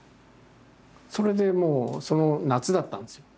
それでもう夏だったんですよ。